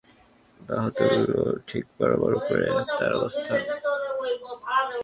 বায়তুল্লাহর ঠিক বরাবর উপরে তার অবস্থান।